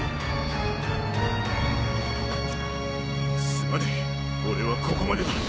すまねえ俺はここまでだ。